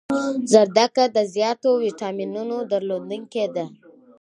زردکه د زیاتو ویټامینونو درلودنکی ده